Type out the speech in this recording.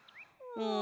うん。